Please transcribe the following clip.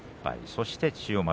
そして、千代丸